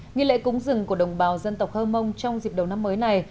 nghi lễ cúng rừng của đồng bào dân tộc hơ mông trong dịp đầu năm mới này